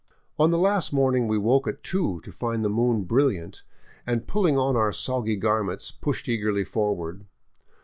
On the last morning we woke at two to find the moon brilliant, and pulling on our soggy garments, pushed eagerly forward.